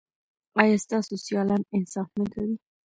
ایا ستاسو سیالان انصاف نه کوي؟